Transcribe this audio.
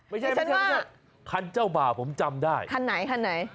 ไม่ใช่คันเจ้าบ่าวผมจำได้คันไหน